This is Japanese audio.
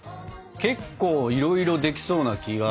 結構いろいろできそうな気が。